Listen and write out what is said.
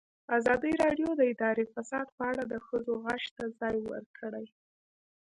ازادي راډیو د اداري فساد په اړه د ښځو غږ ته ځای ورکړی.